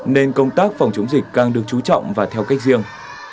nên công tác phòng chống dịch càng được chú trọng và theo cách riêng